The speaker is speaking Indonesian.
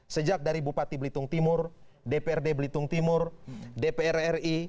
sejak dari bupati belitung timur dprd belitung timur dpr ri